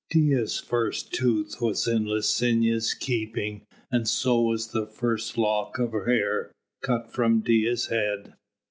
Dea's first tooth was in Licinia's keeping and so was the first lock of hair cut from Dea's head.